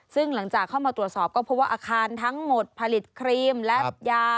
ซึ่งหลังจากเข้ามาตรวจสอบก็พบว่าอาคารทั้งหมดผลิตครีมและยา